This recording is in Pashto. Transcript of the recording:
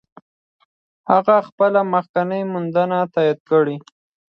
هغې خپلې مخکینۍ موندنې تایید کړې.